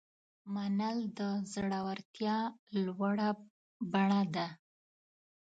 منل د زړورتیا لوړه بڼه ده.